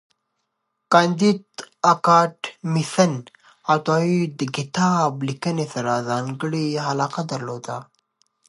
کانديد اکاډميسن عطایي د کتاب لیکنې سره ځانګړی علاقه درلوده.